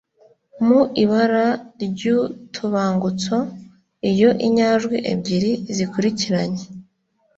Mu ibara ry'utubangutso, iyo inyajwi ebyiri zikurikiranye,